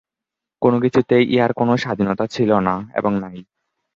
কোন কিছুতেই ইহার কোন স্বাধীনতা ছিল না এবং নাই।